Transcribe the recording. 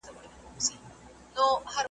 د دې خاورې